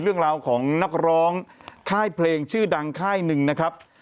เรื่องราวของนักร้องค่ายเพลงชื่อดังค่ายหนึ่งนะครับ